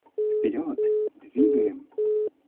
Вперед, двигаем!